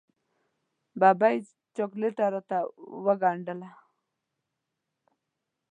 ببۍ! جاکټ راته وګنډه.